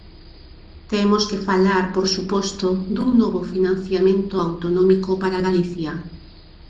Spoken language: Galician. Temos que falar, por suposto, dun novo financiamento autonómico para Galicia.